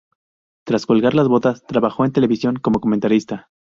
Tras colgar las botas, trabajó en televisión como comentarista.